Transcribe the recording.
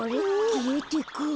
きえてく。